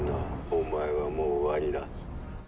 お前はもう終わりだ。